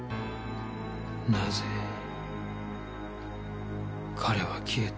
なぜ彼は消えた？